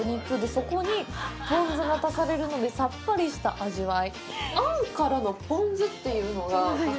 そこにポン酢が足されるのでさっぱりした味わい。